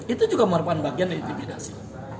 itu juga merupakan bagian intimidasi